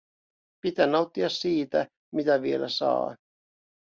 Pitää nauttia siitä, mitä vielä saa.